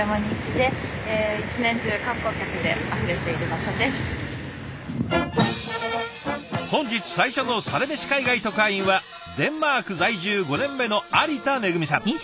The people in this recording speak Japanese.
こちらは本日最初の「サラメシ海外特派員」はデンマーク在住５年目の有田めぐみさん。